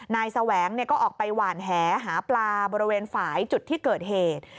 แสวงก็ออกไปหวานแหหาปลาบริเวณฝ่ายจุดที่เกิดเหตุ